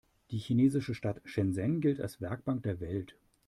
Die chinesische Stadt Shenzhen gilt als „Werkbank der Welt“.